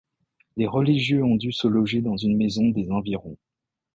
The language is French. Les religieux ont dû se loger dans une maison des environs.